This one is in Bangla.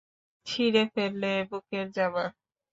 ছিঁড়ে ফেললে বুকের জামা।